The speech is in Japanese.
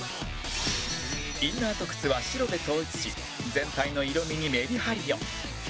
インナーと靴は白で統一し全体の色味にメリハリを